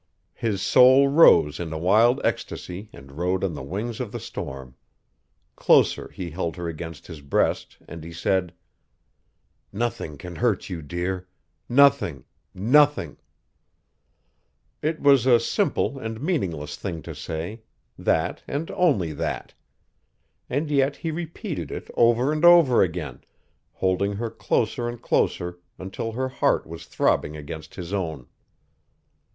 His soul rose in a wild ecstasy and rode on the wings of the storm. Closer he held her against his breast, and he said: "Nothing can hurt you, dear. Nothing nothing " It was a simple and meaningless thing to say that, and only that. And yet he repeated it over and over again, holding her closer and closer until her heart was throbbing against his own.